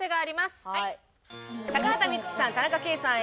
高畑充希さん田中圭さん